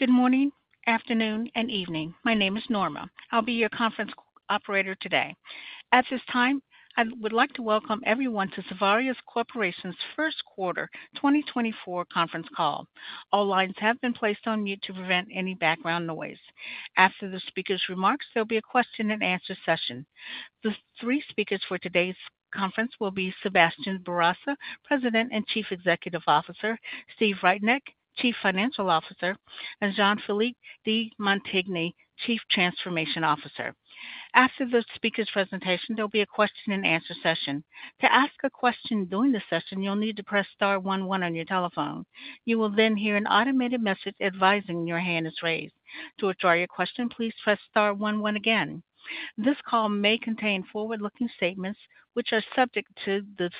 Good morning, afternoon, and evening. My name is Norma. I'll be your conference operator today. At this time, I would like to welcome everyone to Savaria Corporation's first quarter 2024 conference call. All lines have been placed on mute to prevent any background noise. After the speaker's remarks, there'll be a question-and-answer session. The three speakers for today's conference will be Sébastien Bourassa, President and Chief Executive Officer, Steve Reitknecht, Chief Financial Officer, and Jean-Philippe De Montigny, Chief Transformation Officer. After the speaker's presentation, there'll be a question-and-answer session. To ask a question during the session, you'll need to press star 11 on your telephone. You will then hear an automated message advising your hand is raised. To withdraw your question, please press star 11 again. This call may contain forward-looking statements, which are subject to the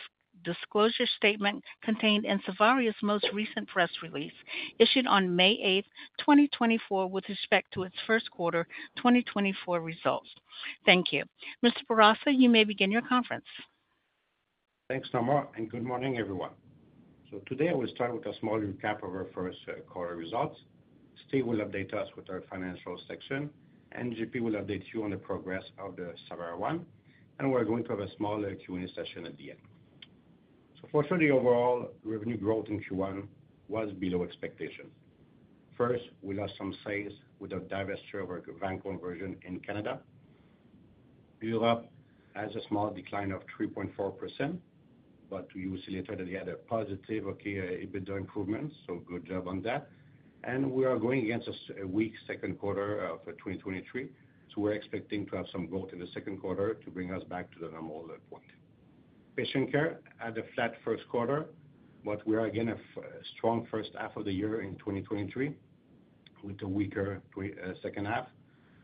disclosure statement contained in Savaria's most recent press release, issued on May 8, 2024, with respect to its first quarter 2024 results. Thank you. Mr. Bourassa, you may begin your conference. Thanks, Norma, and good morning, everyone. So today we'll start with a small recap of our first quarter results. Steve will update us with our financial section. JP will update you on the progress of the Savaria One. And we're going to have a small Q&A session at the end. So fortunately, overall, revenue growth in Q1 was below expectations. First, we lost some sales with a divestiture of our Van-Action in Canada. Europe has a small decline of 3.4%, but we saw later that they had a positive EBITDA improvement, so good job on that. And we are going against a weak second quarter of 2023, so we're expecting to have some growth in the second quarter to bring us back to the normal point. Patient care had a flat first quarter, but we are against a strong first half of the year in 2023 with a weaker second half.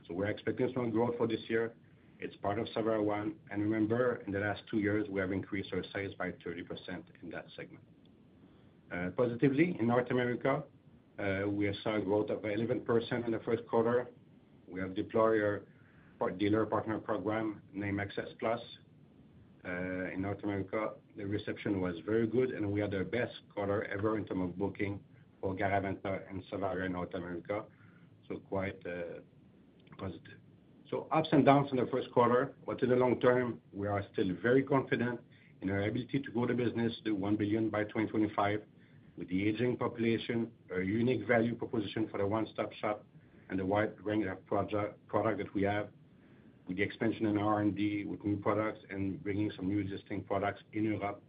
So we're expecting some growth for this year. It's part of Savaria One. And remember, in the last two years, we have increased our sales by 30% in that segment. Positively, in North America, we saw growth of 11% in the first quarter. We have deployed our dealer partner program named Access Plus. In North America, the reception was very good, and we had our best quarter ever in terms of booking for Garaventa and Savaria in North America, so quite positive. So ups and downs in the first quarter, but in the long term, we are still very confident in our ability to grow the business to 1 billion by 2025 with the aging population, our unique value proposition for the one-stop shop, and the wide range of products that we have. With the expansion in R&D, with new products, and bringing some new existing products in Europe,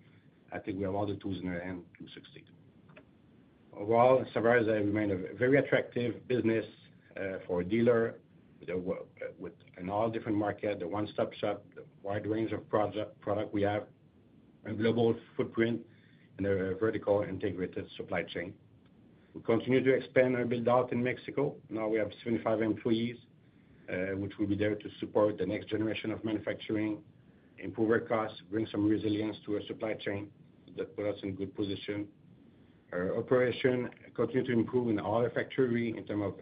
I think we have all the tools in our hand to succeed. Overall, Savaria remains a very attractive business for a dealer in all different markets, the one-stop shop, the wide range of products we have, a global footprint, and a vertically integrated supply chain. We continue to expand our build-out in Mexico. Now we have 75 employees, which will be there to support the next generation of manufacturing, improve our costs, bring some resilience to our supply chain that puts us in good position. Our operation continues to improve in all our factories in terms of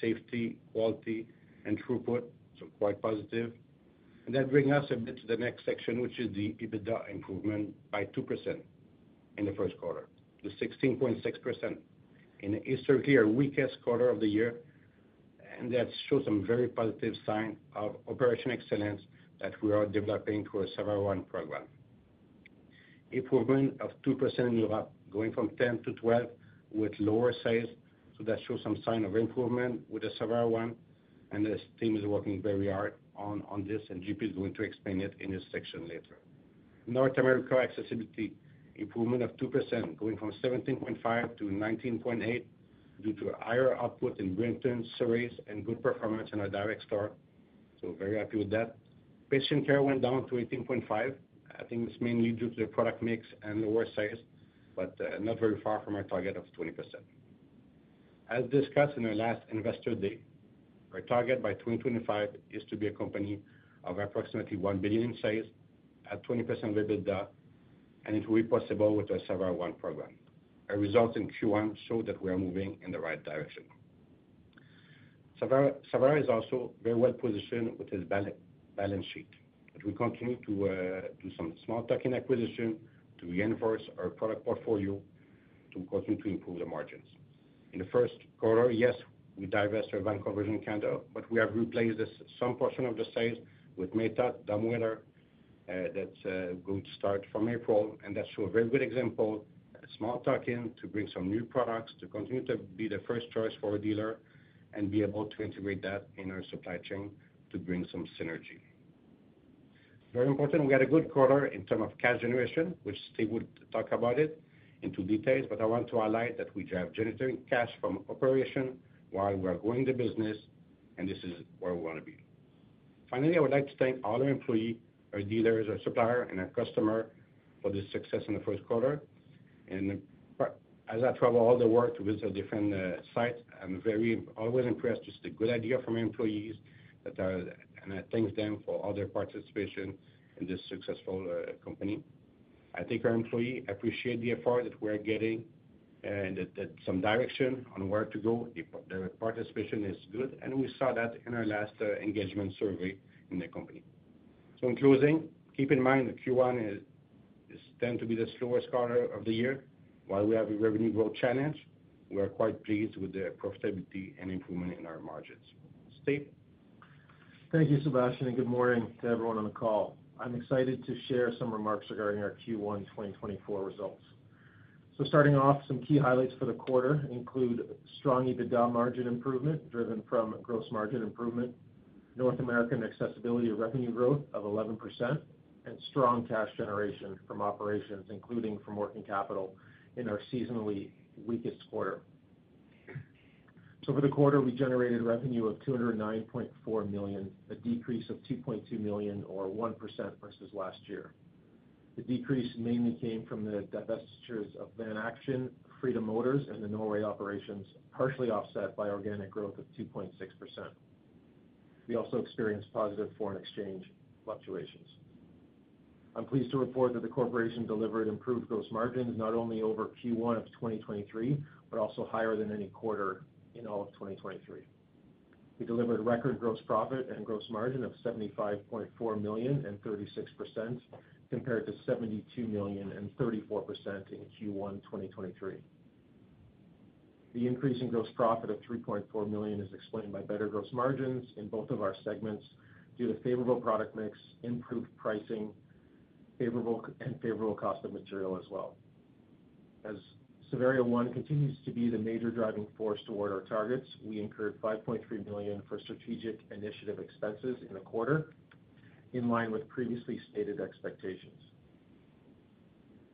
safety, quality, and throughput, so quite positive. That brings us a bit to the next section, which is the EBITDA improvement by 2% in the first quarter, to 16.6% in historically our weakest quarter of the year. That shows some very positive signs of operational excellence that we are developing through our Savaria One program. Improvement of 2% in Europe, going from 10% to 12% with lower sales, so that shows some sign of improvement with the Savaria One. The team is working very hard on this, and JP is going to explain it in this section later. North America accessibility improvement of 2%, going from 17.5%-19.8% due to higher output in Brampton, Surrey, and good performance in our direct store, so very happy with that. Patient care went down to 18.5%. I think it's mainly due to the product mix and lower sales, but not very far from our target of 20%. As discussed in our last investor day, our target by 2025 is to be a company of approximately 1 billion in sales at 20% of EBITDA, and it will be possible with our Savaria One program. Our results in Q1 show that we are moving in the right direction. Savaria is also very well positioned with its balance sheet, but we continue to do some small tuck-in acquisitions to reinforce our product portfolio to continue to improve the margins. In the first quarter, yes, we divest our van conversion in Canada, but we have replaced some portion of the sales with Matot, dumbwaiter that's going to start from April, and that's a very good example. Small tuck-in to bring some new products to continue to be the first choice for a dealer and be able to integrate that in our supply chain to bring some synergy. Very important, we had a good quarter in terms of cash generation, which Steve would talk about in detail, but I want to highlight that we're generating cash from operations while we are growing the business, and this is where we want to be. Finally, I would like to thank all our employees, our dealers, our suppliers, and our customers for the success in the first quarter. As I travel all the world to visit different sites, I'm always impressed with the good ideas from our employees, and I thank them for all their participation in this successful company. I think our employees appreciate the effort that we are getting and some direction on where to go. Their participation is good, and we saw that in our last engagement survey in the company. So in closing, keep in mind that Q1 tends to be the slowest quarter of the year. While we have a revenue growth challenge, we are quite pleased with the profitability and improvement in our margins. Steve? Thank you, Sebastian, and good morning to everyone on the call. I'm excited to share some remarks regarding our Q1 2024 results. So starting off, some key highlights for the quarter include strong EBITDA margin improvement driven from gross margin improvement, North American accessibility revenue growth of 11%, and strong cash generation from operations, including from working capital in our seasonally weakest quarter. So for the quarter, we generated revenue of 209.4 million, a decrease of 2.2 million or 1% versus last year. The decrease mainly came from the divestitures of Van-Action, Freedom Motors, and the Norway operations, partially offset by organic growth of 2.6%. We also experienced positive foreign exchange fluctuations. I'm pleased to report that the corporation delivered improved gross margins not only over Q1 of 2023 but also higher than any quarter in all of 2023. We delivered record gross profit and gross margin of 75.4 million and 36% compared to 72 million and 34% in Q1 2023. The increase in gross profit of 3.4 million is explained by better gross margins in both of our segments due to favorable product mix, improved pricing, and favorable cost of material as well. As Savaria One continues to be the major driving force toward our targets, we incurred 5.3 million for strategic initiative expenses in the quarter in line with previously stated expectations.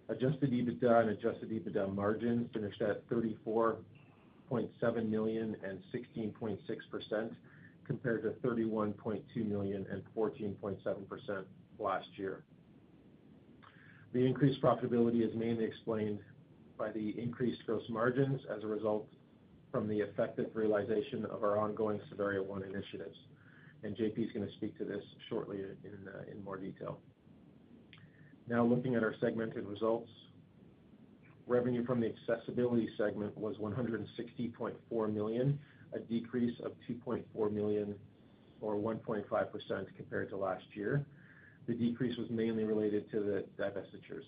Adjusted EBITDA and adjusted EBITDA margins finished at 34.7 million and 16.6% compared to 31.2 million and 14.7% last year. The increased profitability is mainly explained by the increased gross margins as a result from the effective realization of our ongoing Savaria One initiatives, and JP is going to speak to this shortly in more detail. Now looking at our segmented results, revenue from the accessibility segment was 160.4 million, a decrease of 2.4 million or 1.5% compared to last year. The decrease was mainly related to the divestitures.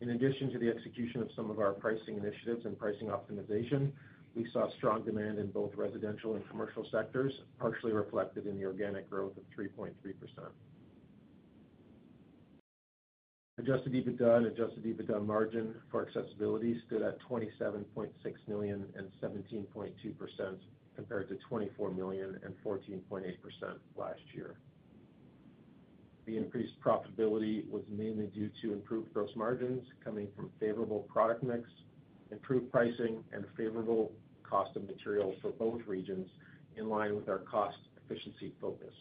In addition to the execution of some of our pricing initiatives and pricing optimization, we saw strong demand in both residential and commercial sectors, partially reflected in the organic growth of 3.3%. Adjusted EBITDA and adjusted EBITDA margin for accessibility stood at 27.6 million and 17.2% compared to 24 million and 14.8% last year. The increased profitability was mainly due to improved gross margins coming from favorable product mix, improved pricing, and favorable cost of material for both regions in line with our cost efficiency focus.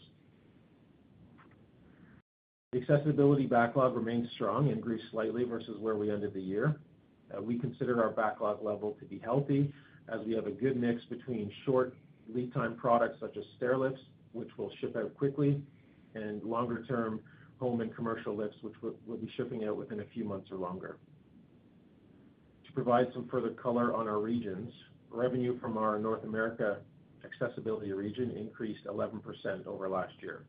The accessibility backlog remains strong and grew slightly versus where we ended the year. We consider our backlog level to be healthy as we have a good mix between short lead-time products such as stairlifts, which will ship out quickly, and longer-term home and commercial lifts, which will be shipping out within a few months or longer. To provide some further color on our regions, revenue from our North America accessibility region increased 11% over last year.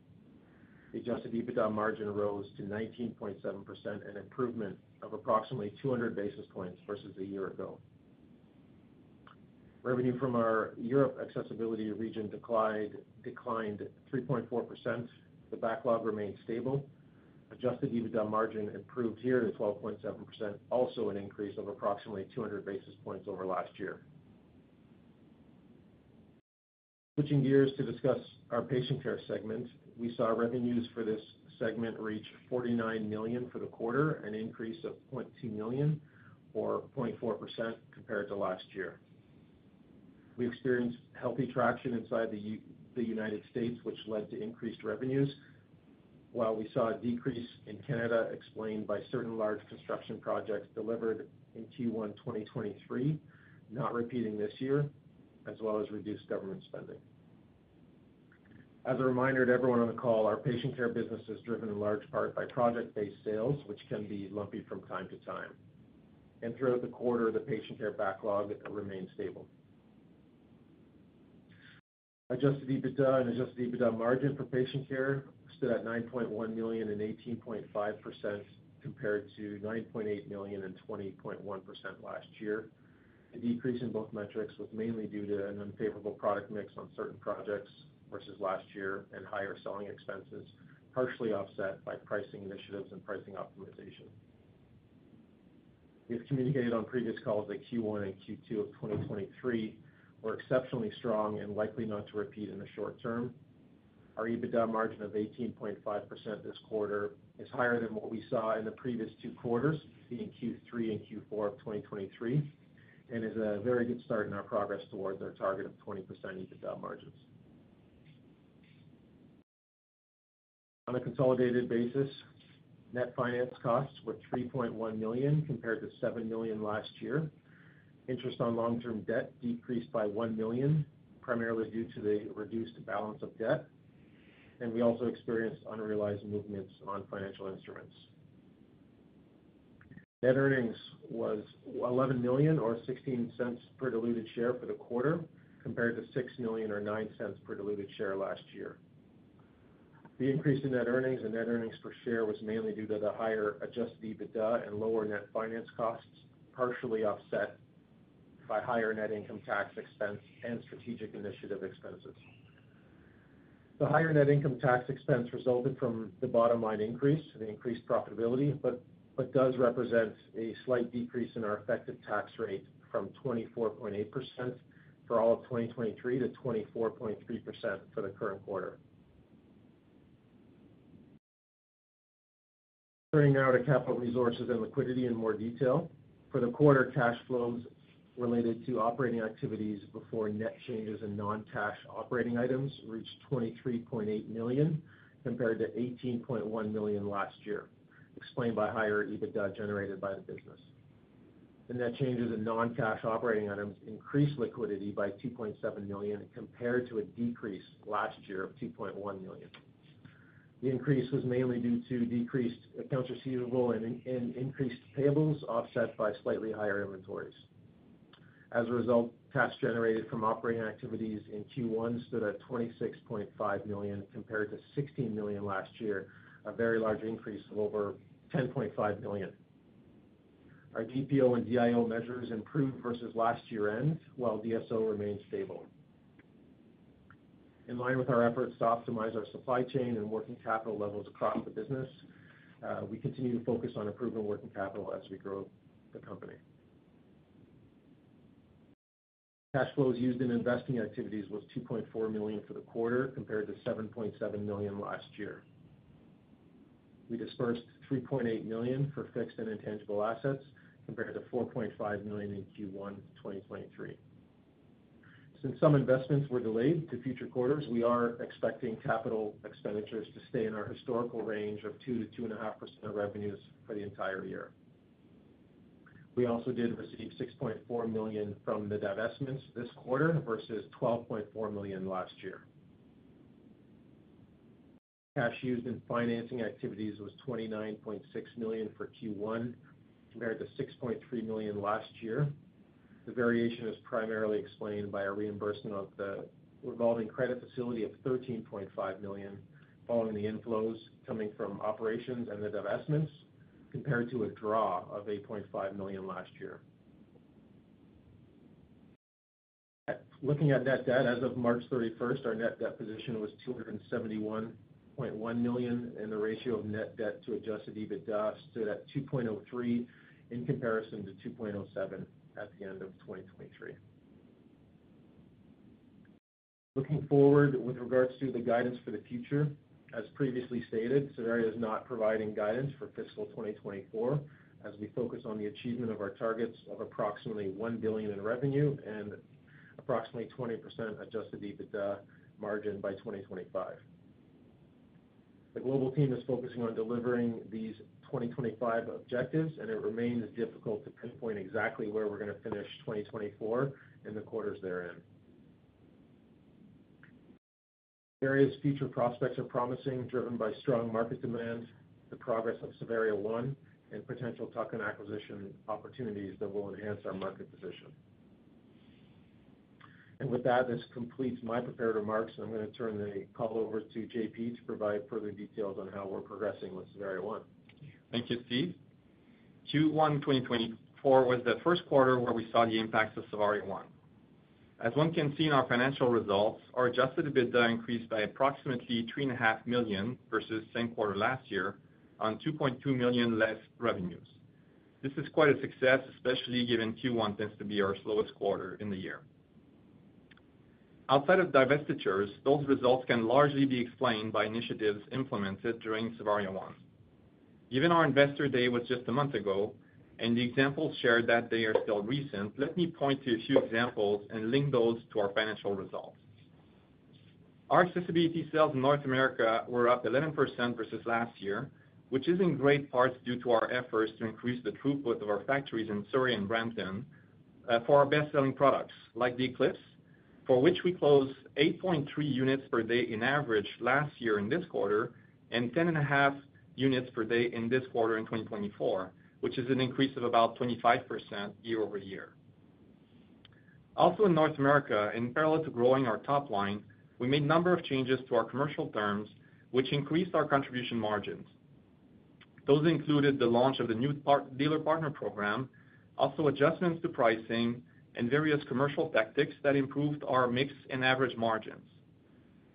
The Adjusted EBITDA margin rose to 19.7%, an improvement of approximately 200 basis points versus a year ago. Revenue from our Europe accessibility region declined 3.4%. The backlog remained stable. Adjusted EBITDA margin improved here to 12.7%, also an increase of approximately 200 basis points over last year. Switching gears to discuss our patient care segment, we saw revenues for this segment reach 49 million for the quarter, an increase of 0.2 million or 0.4% compared to last year. We experienced healthy traction inside the United States, which led to increased revenues, while we saw a decrease in Canada explained by certain large construction projects delivered in Q1 2023, not repeating this year, as well as reduced government spending. As a reminder to everyone on the call, our patient care business is driven in large part by project-based sales, which can be lumpy from time to time. Throughout the quarter, the patient care backlog remained stable. Adjusted EBITDA and adjusted EBITDA margin for patient care stood at 9.1 million and 18.5% compared to 9.8 million and 20.1% last year. The decrease in both metrics was mainly due to an unfavorable product mix on certain projects versus last year and higher selling expenses, partially offset by pricing initiatives and pricing optimization. We have communicated on previous calls that Q1 and Q2 of 2023 were exceptionally strong and likely not to repeat in the short term. Our EBITDA margin of 18.5% this quarter is higher than what we saw in the previous two quarters, being Q3 and Q4 of 2023, and is a very good start in our progress towards our target of 20% EBITDA margins. On a consolidated basis, net finance costs were 3.1 million compared to 7 million last year. Interest on long-term debt decreased by 1 million, primarily due to the reduced balance of debt. We also experienced unrealized movements on financial instruments. Net earnings were 11 million or 0.16 per diluted share for the quarter compared to 6 million or 0.09 per diluted share last year. The increase in net earnings and net earnings per share was mainly due to the higher Adjusted EBITDA and lower net finance costs, partially offset by higher net income tax expense and strategic initiative expenses. The higher net income tax expense resulted from the bottom-line increase, the increased profitability, but does represent a slight decrease in our effective tax rate from 24.8% for all of 2023 to 24.3% for the current quarter. Turning now to capital resources and liquidity in more detail. For the quarter, cash flows related to operating activities before net changes in non-cash operating items reached 23.8 million compared to 18.1 million last year, explained by higher EBITDA generated by the business. The net changes in non-cash operating items increased liquidity by 2.7 million compared to a decrease last year of 2.1 million. The increase was mainly due to decreased accounts receivable and increased payables offset by slightly higher inventories. As a result, cash generated from operating activities in Q1 stood at 26.5 million compared to 16 million last year, a very large increase of over 10.5 million. Our DPO and DIO measures improved versus last year's end, while DSO remained stable. In line with our efforts to optimize our supply chain and working capital levels across the business, we continue to focus on improving working capital as we grow the company. Cash flows used in investing activities were 2.4 million for the quarter compared to 7.7 million last year. We dispersed 3.8 million for fixed and intangible assets compared to 4.5 million in Q1 2023. Since some investments were delayed to future quarters, we are expecting capital expenditures to stay in our historical range of 2%-2.5% of revenues for the entire year. We also did receive 6.4 million from the divestments this quarter versus 12.4 million last year. Cash used in financing activities was 29.6 million for Q1 compared to 6.3 million last year. The variation is primarily explained by a reimbursement of the revolving credit facility of 13.5 million following the inflows coming from operations and the divestments compared to a draw of 8.5 million last year. Looking at net debt, as of March 31st, our net debt position was 271.1 million, and the ratio of net debt to Adjusted EBITDA stood at 2.03 in comparison to 2.07 at the end of 2023. Looking forward with regards to the guidance for the future, as previously stated, Savaria is not providing guidance for fiscal 2024 as we focus on the achievement of our targets of approximately 1 billion in revenue and approximately 20% Adjusted EBITDA margin by 2025. The global team is focusing on delivering these 2025 objectives, and it remains difficult to pinpoint exactly where we're going to finish 2024 in the quarters therein. Various future prospects are promising, driven by strong market demand, the progress of Savaria One, and potential tuck-in acquisition opportunities that will enhance our market position. With that, this completes my prepared remarks, and I'm going to turn the call over to JP to provide further details on how we're progressing with Savaria One. Thank you, Steve. Q1 2024 was the first quarter where we saw the impacts of Savaria One. As one can see in our financial results, our Adjusted EBITDA increased by approximately 3.5 million versus same quarter last year on 2.2 million less revenues. This is quite a success, especially given Q1 tends to be our slowest quarter in the year. Outside of divestitures, those results can largely be explained by initiatives implemented during Savaria One. Given our investor day was just a month ago, and the examples shared that day are still recent, let me point to a few examples and link those to our financial results. Our accessibility sales in North America were up 11% versus last year, which is in great parts due to our efforts to increase the throughput of our factories in Surrey and Brampton for our best-selling products like the Eclipse, for which we closed 8.3 units per day in average last year in this quarter and 10.5 units per day in this quarter in 2024, which is an increase of about 25% year-over-year. Also in North America, in parallel to growing our top line, we made a number of changes to our commercial terms, which increased our contribution margins. Those included the launch of the new dealer partner program, also adjustments to pricing, and various commercial tactics that improved our mix and average margins.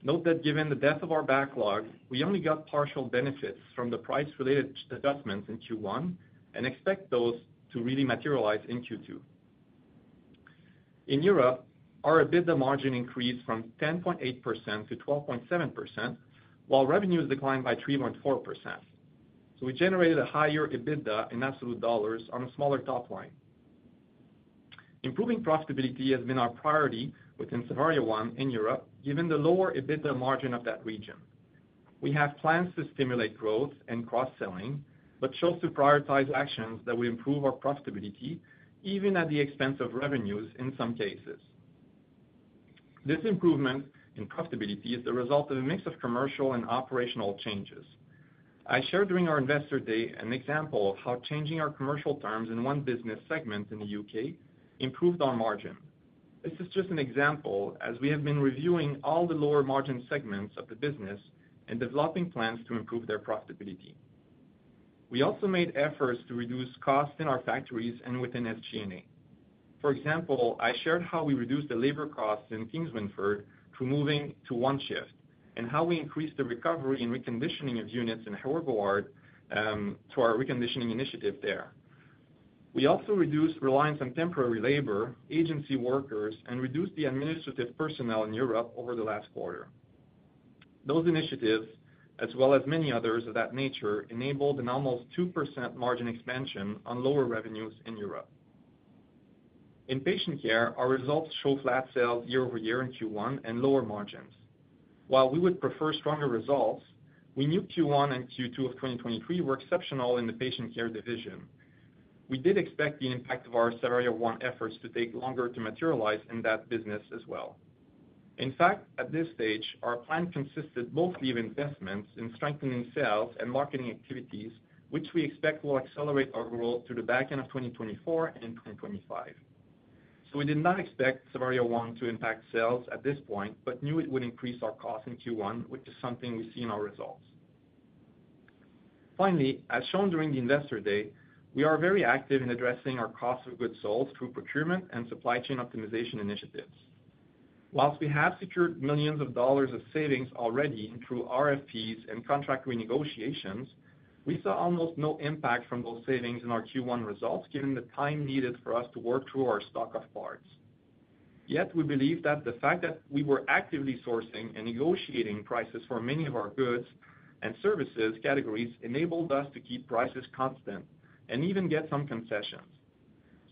Note that given the depth of our backlog, we only got partial benefits from the price-related adjustments in Q1 and expect those to really materialize in Q2. In Europe, our EBITDA margin increased from 10.8% to 12.7%, while revenues declined by 3.4%. So we generated a higher EBITDA in absolute dollars on a smaller top line. Improving profitability has been our priority within Savaria One in Europe, given the lower EBITDA margin of that region. We have plans to stimulate growth and cross-selling, but chose to prioritize actions that would improve our profitability, even at the expense of revenues in some cases. This improvement in profitability is the result of a mix of commercial and operational changes. I shared during our investor day an example of how changing our commercial terms in one business segment in the U.K. improved our margin. This is just an example as we have been reviewing all the lower margin segments of the business and developing plans to improve their profitability. We also made efforts to reduce costs in our factories and within SG&A. For example, I shared how we reduced the labor costs in Kingswinford through moving to one shift and how we increased the recovery and reconditioning of units in Heerhugowaard to our reconditioning initiative there. We also reduced reliance on temporary labor, agency workers, and reduced the administrative personnel in Europe over the last quarter. Those initiatives, as well as many others of that nature, enabled an almost 2% margin expansion on lower revenues in Europe. In patient care, our results show flat sales year-over-year in Q1 and lower margins. While we would prefer stronger results, we knew Q1 and Q2 of 2023 were exceptional in the patient care division. We did expect the impact of our Savaria One efforts to take longer to materialize in that business as well. In fact, at this stage, our plan consisted mostly of investments in strengthening sales and marketing activities, which we expect will accelerate our growth through the back end of 2024 and 2025. So we did not expect Savaria One to impact sales at this point, but knew it would increase our costs in Q1, which is something we see in our results. Finally, as shown during the investor day, we are very active in addressing our cost of goods sold through procurement and supply chain optimization initiatives. While we have secured millions dollars in savings already through RFPs and contract renegotiations, we saw almost no impact from those savings in our Q1 results, given the time needed for us to work through our stock of parts. Yet, we believe that the fact that we were actively sourcing and negotiating prices for many of our goods and services categories enabled us to keep prices constant and even get some concessions.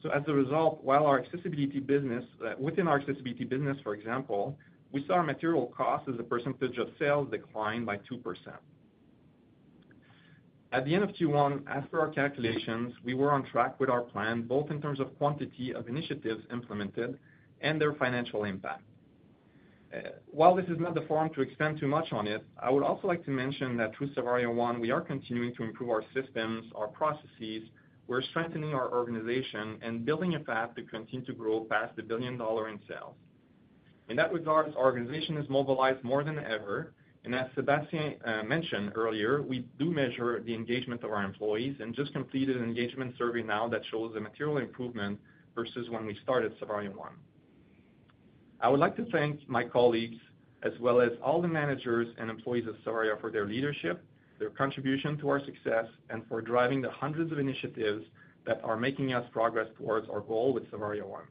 So as a result, while our accessibility business within our accessibility business, for example, we saw our material costs as a percentage of sales decline by 2%. At the end of Q1, as per our calculations, we were on track with our plan, both in terms of quantity of initiatives implemented and their financial impact. While this is not the forum to expand too much on it, I would also like to mention that through Savaria One, we are continuing to improve our systems, our processes. We're strengthening our organization and building a path to continue to grow past the billion-dollar in sales. In that regard, our organization is mobilized more than ever. And as Sebastian mentioned earlier, we do measure the engagement of our employees and just completed an engagement survey now that shows a material improvement versus when we started Savaria One. I would like to thank my colleagues, as well as all the managers and employees of Savaria for their leadership, their contribution to our success, and for driving the hundreds of initiatives that are making us progress towards our goal with Savaria One.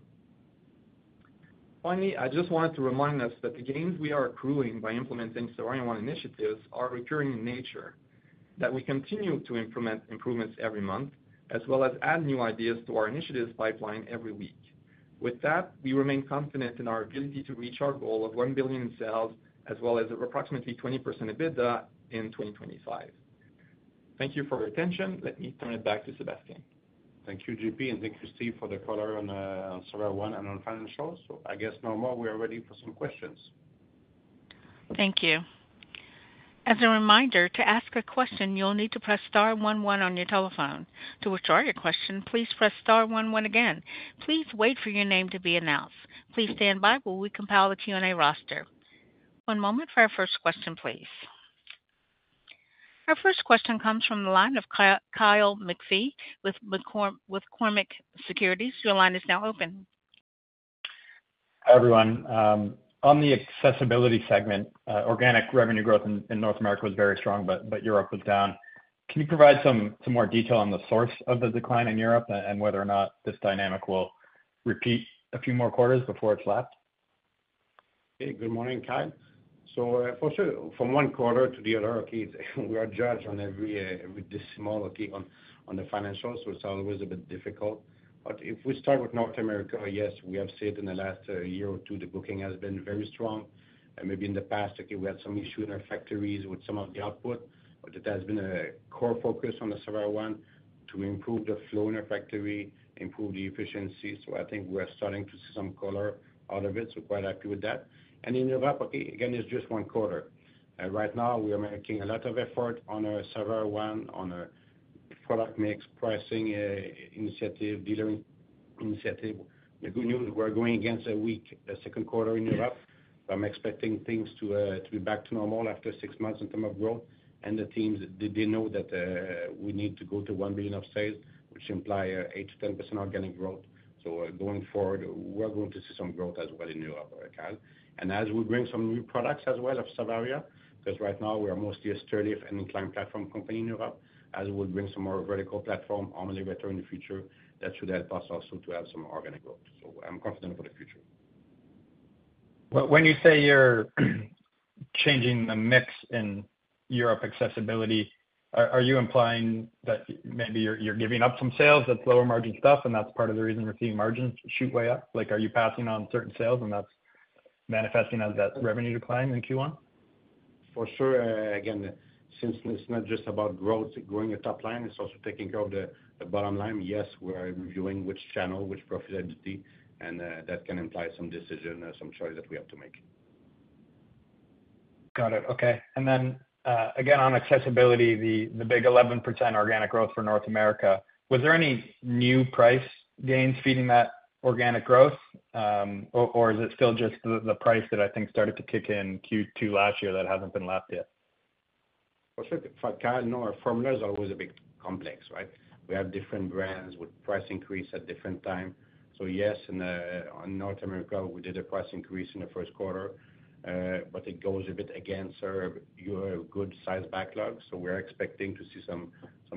Finally, I just wanted to remind us that the gains we are accruing by implementing Savaria One initiatives are recurring in nature, that we continue to implement improvements every month, as well as add new ideas to our initiatives pipeline every week. With that, we remain confident in our ability to reach our goal of 1 billion in sales, as well as approximately 20% EBITDA in 2025. Thank you for your attention. Let me turn it back to Sebastian. Thank you, JP. And thank you, Steve, for the call on Savaria One and on financials. So I guess no more. We are ready for some questions. Thank you. As a reminder, to ask a question, you'll need to press star 11 on your telephone. To withdraw your question, please press star 11 again. Please wait for your name to be announced. Please stand by while we compile the Q&A roster. One moment for our first question, please. Our first question comes from the line of Kyle McPhee with Cormark Securities. Your line is now open. Hi, everyone. On the accessibility segment, organic revenue growth in North America was very strong, but Europe was down. Can you provide some more detail on the source of the decline in Europe and whether or not this dynamic will repeat a few more quarters before it's lapped? Hey, good morning, Kyle. So for sure, from one quarter to the other, we are judged on every decimal on the financials, which is always a bit difficult. But if we start with North America, yes, we have seen it in the last year or two. The booking has been very strong. Maybe in the past, we had some issue in our factories with some of the output, but it has been a core focus on the Savaria One to improve the flow in our factory, improve the efficiency. So I think we are starting to see some color out of it. So quite happy with that. And in Europe, again, it's just one quarter. Right now, we are making a lot of effort on our Savaria One, on our product mix, pricing initiative, dealer initiative. The good news, we're going against a weak second quarter in Europe. So I'm expecting things to be back to normal after six months in terms of growth. And the teams, they know that we need to go to 1 billion of sales, which implies 8%-10% organic growth. So going forward, we're going to see some growth as well in Europe, Kyle. And as we bring some new products as well of Savaria, because right now we are mostly a stairlift and incline platform company in Europe, as we'll bring some more vertical platform, elevator in the future that should help us also to have some organic growth. So I'm confident for the future. When you say you're changing the mix in Europe accessibility, are you implying that maybe you're giving up some sales that's lower margin stuff, and that's part of the reason gross margins shoot way up? Are you passing on certain sales, and that's manifesting as that revenue decline in Q1? For sure. Again, since it's not just about growing the top line, it's also taking care of the bottom line. Yes, we're reviewing which channel, which profitability, and that can imply some decision, some choice that we have to make. Got it. Okay. And then again, on accessibility, the big 11% organic growth for North America, was there any new price gains feeding that organic growth, or is it still just the price that I think started to kick in Q2 last year that hasn't been lapped yet? For sure. In fact, Kyle, our formula is always a bit complex, right? We have different brands with price increase at different times. So yes, in North America, we did a price increase in the first quarter, but it goes a bit against our good size backlog. So we are expecting to see some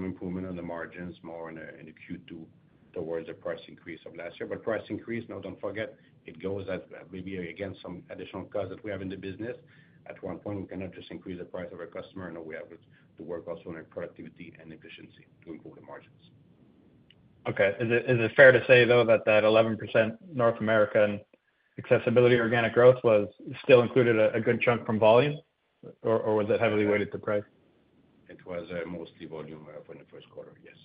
improvement on the margins more in the Q2 towards the price increase of last year. But price increase, no, don't forget, it goes maybe against some additional costs that we have in the business. At one point, we cannot just increase the price of our customer. No, we have to work also on our productivity and efficiency to improve the margins. Okay. Is it fair to say, though, that that 11% North American accessibility organic growth still included a good chunk from volume, or was it heavily weighted to price? It was mostly volume for the first quarter, yes.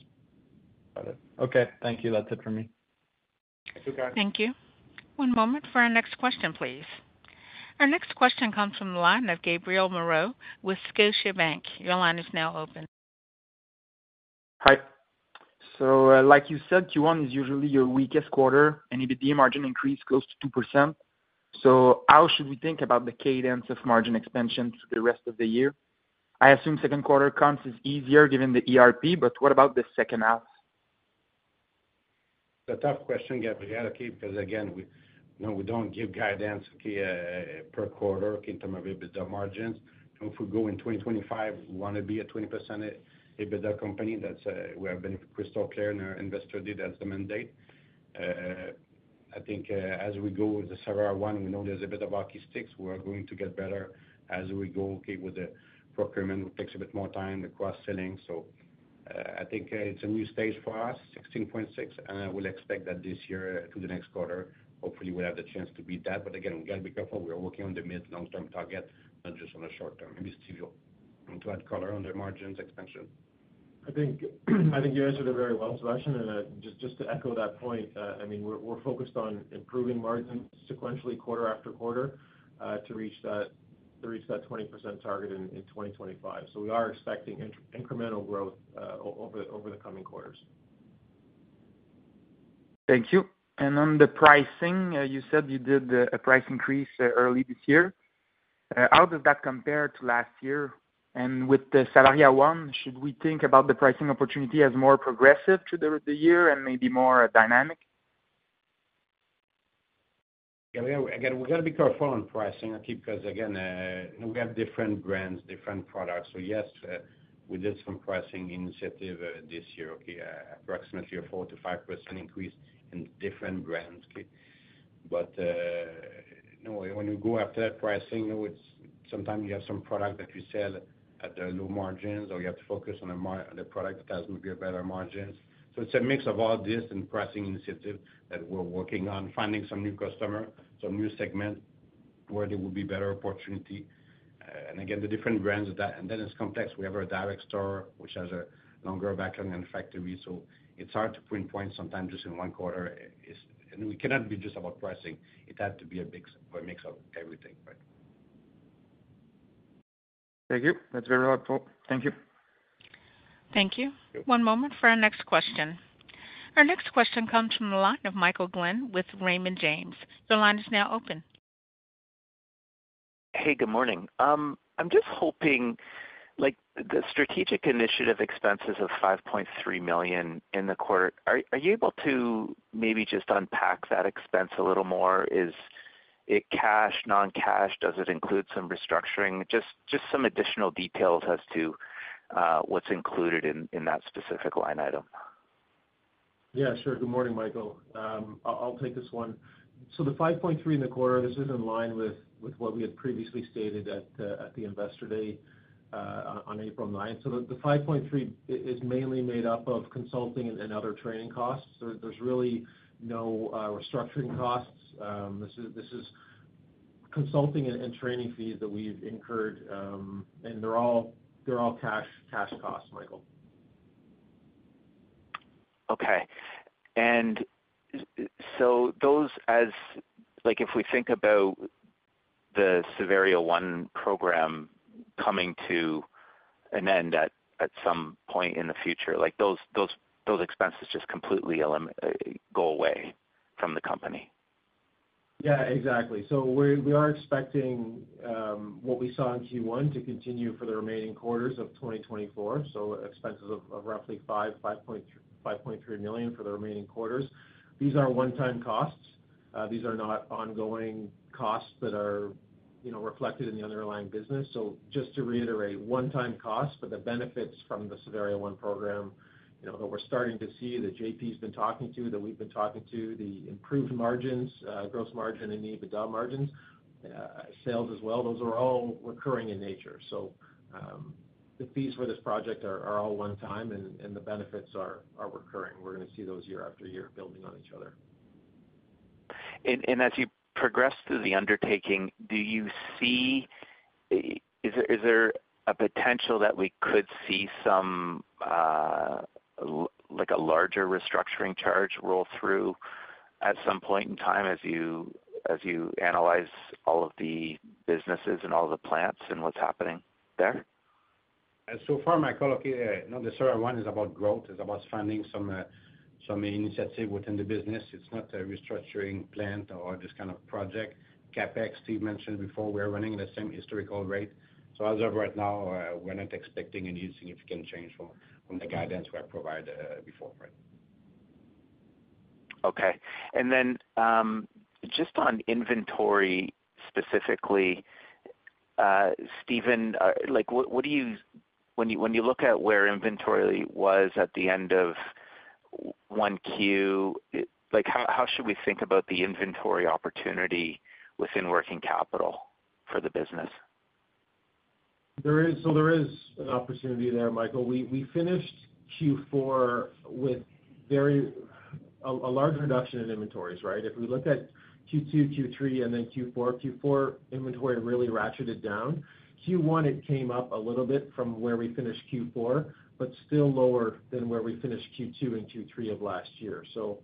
Got it. Okay. Thank you. That's it for me. Thank you, Kyle. Thank you. One moment for our next question, please. Our next question comes from the line of Gabriel Moreau with Scotiabank. Your line is now open. Hi. So like you said, Q1 is usually your weakest quarter, and the margin increase goes to 2%. So how should we think about the cadence of margin expansion through the rest of the year? I assume second quarter comes easier given the ERP, but what about the second half? That's a tough question, Gabriel, because again, we don't give guidance per quarter in terms of EBITDA margins. If we go in 2025, we want to be a 20% EBITDA company. We have been crystal clear in our investor day that's the mandate. I think as we go with the Savaria One, we know there's a bit of hockey sticks. We are going to get better as we go with the procurement. It takes a bit more time, the cross-selling. So I think it's a new stage for us, 16.6, and I will expect that this year through the next quarter, hopefully, we'll have the chance to beat that. But again, we got to be careful. We are working on the mid-long-term target, not just on the short term. Maybe Steve will add color on the margins expansion. I think you answered it very well, Sebastian. Just to echo that point, I mean, we're focused on improving margins sequentially, quarter after quarter, to reach that 20% target in 2025. We are expecting incremental growth over the coming quarters. Thank you. And on the pricing, you said you did a price increase early this year. How does that compare to last year? And with the Savaria One, should we think about the pricing opportunity as more progressive through the year and maybe more dynamic? Again, we got to be careful on pricing, because again, we have different brands, different products. So yes, we did some pricing initiative this year, approximately a 4%-5% increase in different brands. But when you go after that pricing, sometimes you have some product that you sell at low margins, or you have to focus on a product that has maybe better margins. So it's a mix of all this and pricing initiative that we're working on, finding some new customer, some new segment where there will be better opportunity. And again, the different brands of that. And then it's complex. We have a direct store, which has a longer backlog in the factory. So it's hard to pinpoint sometimes just in one quarter. And we cannot be just about pricing. It had to be a mix of everything, right? Thank you. That's very helpful. Thank you. Thank you. One moment for our next question. Our next question comes from the line of Michael Glen with Raymond James. Your line is now open. Hey, good morning. I'm just hoping the strategic initiative expenses of 5.3 million in the quarter. Are you able to maybe just unpack that expense a little more? Is it cash, non-cash? Does it include some restructuring? Just some additional details as to what's included in that specific line item. Yeah, sure. Good morning, Michael. I'll take this one. So the 5.3 in the quarter, this is in line with what we had previously stated at the investor day on April 9th. So the 5.3 is mainly made up of consulting and other training costs. There's really no restructuring costs. This is consulting and training fees that we've incurred, and they're all cash costs, Michael. Okay. And so if we think about the Savaria One program coming to an end at some point in the future, those expenses just completely go away from the company? Yeah, exactly. So we are expecting what we saw in Q1 to continue for the remaining quarters of 2024, so expenses of roughly 5.3 million for the remaining quarters. These are one-time costs. These are not ongoing costs that are reflected in the underlying business. So just to reiterate, one-time costs, but the benefits from the Savaria One program that we're starting to see, the JP's been talking to, that we've been talking to, the improved margins, gross margin and EBITDA margins, sales as well, those are all recurring in nature. So the fees for this project are all one-time, and the benefits are recurring. We're going to see those year after year building on each other. As you progress through the undertaking, do you see is there a potential that we could see a larger restructuring charge roll through at some point in time as you analyze all of the businesses and all the plants and what's happening there? So far, my colleague, no, the Savaria One is about growth. It's about finding some initiative within the business. It's not a restructuring plant or this kind of project. CapEx, Steve mentioned before, we are running at the same historical rate. So as of right now, we're not expecting any significant change from the guidance we have provided before, right? Okay. And then just on inventory specifically, Steve, what do you when you look at where inventory was at the end of Q1, how should we think about the inventory opportunity within working capital for the business? So there is an opportunity there, Michael. We finished Q4 with a large reduction in inventories, right? If we look at Q2, Q3, and then Q4, Q4 inventory really ratcheted down. Q1, it came up a little bit from where we finished Q4, but still lower than where we finished Q2 and Q3 of last year. So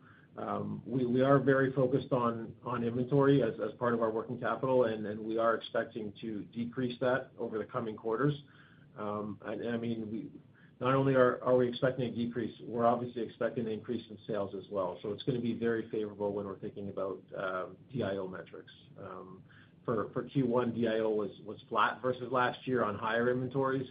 we are very focused on inventory as part of our working capital, and we are expecting to decrease that over the coming quarters. And I mean, not only are we expecting a decrease, we're obviously expecting an increase in sales as well. So it's going to be very favorable when we're thinking about DIO metrics. For Q1, DIO was flat versus last year on higher inventories,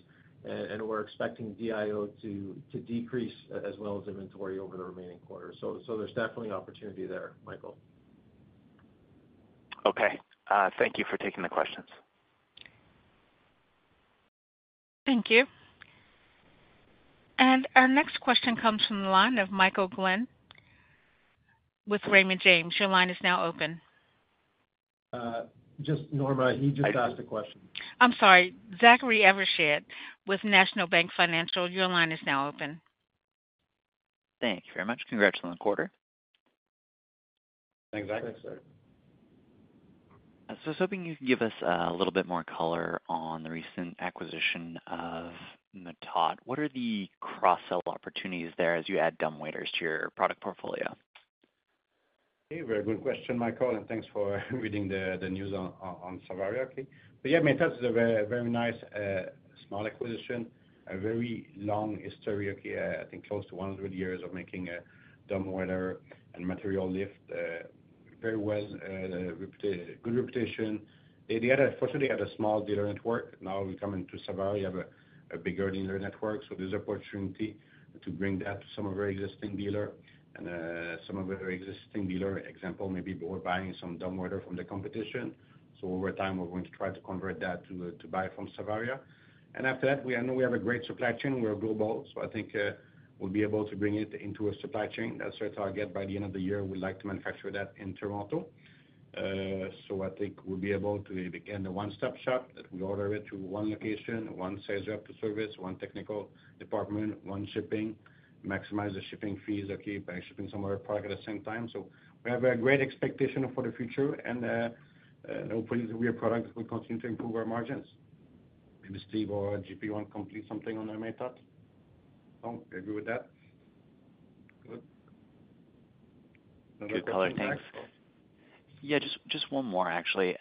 and we're expecting DIO to decrease as well as inventory over the remaining quarter. So there's definitely opportunity there, Michael. Okay. Thank you for taking the questions. Thank you. Our next question comes from the line of Michael Glen with Raymond James. Your line is now open. Just Norma, he just asked a question. I'm sorry. Zachary Evershed with National Bank Financial. Your line is now open. Thank you very much. Congrats on the quarter. Thanks, Zachary. So I was hoping you could give us a little bit more color on the recent acquisition of Matot. What are the cross-sell opportunities there as you add dumbwaiters to your product portfolio? Very good question, Michael, and thanks for reading the news on Savaria. But yeah, Matot is a very nice small acquisition, a very long history, I think close to 100 years of making dumbwaiter and material lift very well, good reputation. Fortunately, they had a small dealer network. Now we come into Savaria, we have a bigger dealer network. So there's opportunity to bring that to some of our existing dealer. And some of our existing dealer, example, maybe we're buying some dumbwaiter from the competition. So over time, we're going to try to convert that to buy from Savaria. And after that, I know we have a great supply chain. We're global, so I think we'll be able to bring it into a supply chain. That's our target by the end of the year. We'd like to manufacture that in Toronto. So I think we'll be able to, again, the one-stop shop that we order it to one location, one sales rep to service, one technical department, one shipping, maximize the shipping fees by shipping some other product at the same time. So we have a great expectation for the future, and hopefully, with our products, we'll continue to improve our margins. Maybe Steve or GP want to complete something on Matot? No? Agree with that? Good. Good color. Thanks. Yeah, just one more, actually.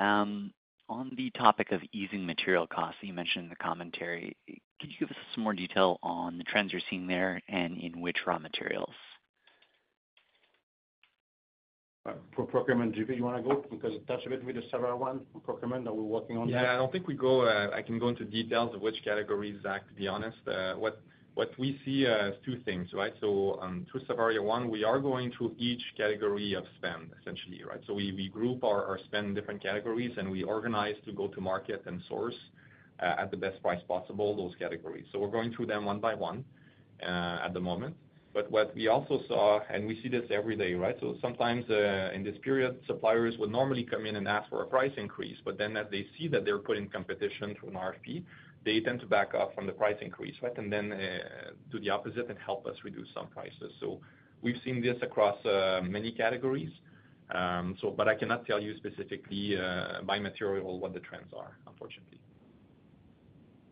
On the topic of easing material costs you mentioned in the commentary, could you give us some more detail on the trends you're seeing there and in which raw materials? For procurement, GP, do you want to go? Because it touches a bit with the Savaria One procurement that we're working on. Yeah, I don't think I can go into details of which categories, Zach, to be honest. What we see is two things, right? So through Savaria One, we are going through each category of spend, essentially, right? So we group our spend in different categories, and we organize to go to market and source at the best price possible, those categories. So we're going through them one by one at the moment. But what we also saw, and we see this every day, right? So sometimes in this period, suppliers would normally come in and ask for a price increase, but then as they see that they're put in competition through an RFP, they tend to back off from the price increase, right, and then do the opposite and help us reduce some prices. So we've seen this across many categories. But I cannot tell you specifically by material what the trends are, unfortunately.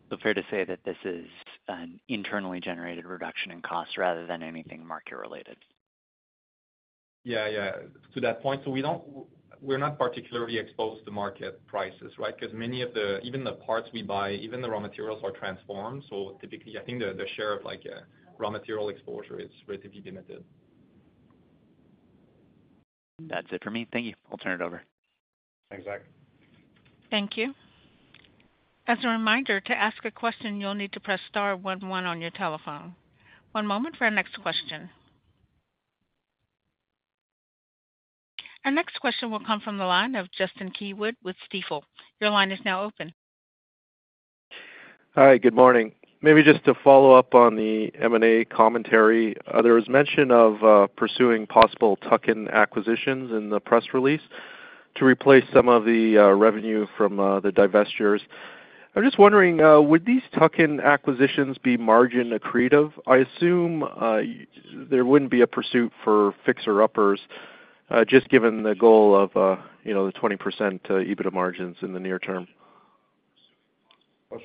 So fair to say that this is an internally generated reduction in costs rather than anything market-related? Yeah, yeah, to that point. So we're not particularly exposed to market prices, right, because many of the even the parts we buy, even the raw materials are transformed. So typically, I think the share of raw material exposure is relatively limited. That's it for me. Thank you. I'll turn it over. Thanks, Zach. Thank you. As a reminder, to ask a question, you'll need to press star 11 on your telephone. One moment for our next question. Our next question will come from the line of Justin Keywood with Stifel. Your line is now open. Hi, good morning. Maybe just to follow up on the M&A commentary. There was mention of pursuing possible tuck-in acquisitions in the press release to replace some of the revenue from the divestitures. I'm just wondering, would these tuck-in acquisitions be margin accretive? I assume there wouldn't be a pursuit for fixer-uppers just given the goal of the 20% EBITDA margins in the near term.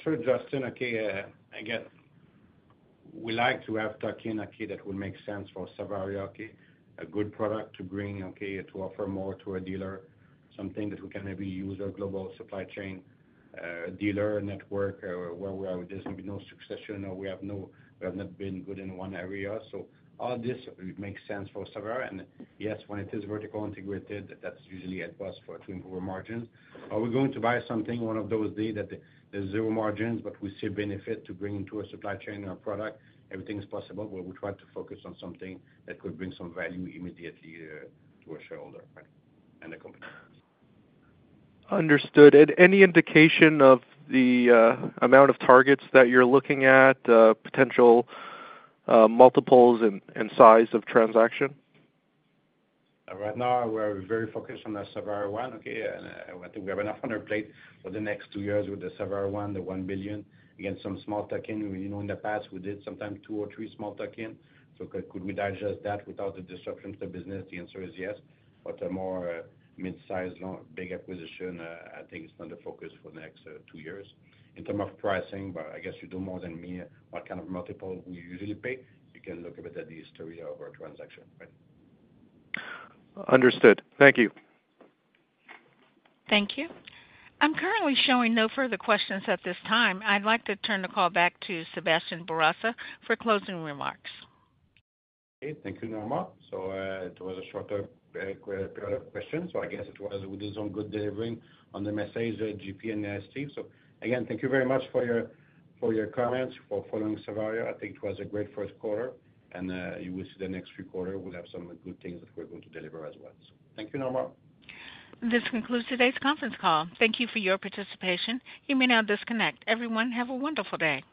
Sure, Justin. Again, we like to have tuck-in that would make sense for Savaria, a good product to bring, to offer more to a dealer, something that we can maybe use a global supply chain dealer network where there's going to be no succession, or we have not been good in one area. So all this makes sense for Savaria. And yes, when it is vertical integrated, that's usually at best to improve our margins. Are we going to buy something, one of those days, that there's zero margins, but we see a benefit to bring into a supply chain or a product? Everything's possible, but we try to focus on something that could bring some value immediately to a shareholder and the company. Understood. Any indication of the amount of targets that you're looking at, potential multiples and size of transaction? Right now, we're very focused on the Savaria One. I think we have enough on our plate for the next two years with the Savaria One, the 1 billion. Again, some small tuck-in. In the past, we did sometimes two or three small tuck-in. So could we digest that without the disruption to the business? The answer is yes. But a more midsize, big acquisition, I think it's not the focus for the next two years. In terms of pricing, but I guess you know more than me what kind of multiple we usually pay, you can look a bit at the history of our transaction, right? Understood. Thank you. Thank you. I'm currently showing no further questions at this time. I'd like to turn the call back to Sebastian Bourassa for closing remarks. Okay. Thank you, Norma. So it was a shorter period of questions. So I guess it was we did some good delivery on the message, GP and Steve. So again, thank you very much for your comments, for following Savaria. I think it was a great first quarter, and you will see the next few quarters, we'll have some good things that we're going to deliver as well. So thank you, Norma. This concludes today's conference call. Thank you for your participation. You may now disconnect. Everyone, have a wonderful day.